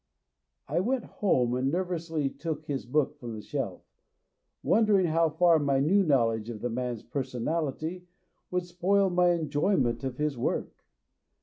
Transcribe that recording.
I went home and nervously took his book from the shelf, wondering how far my new knowledge of the man's personality would spoil my enjoy ment of his work.